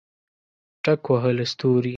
ټک وهله ستوري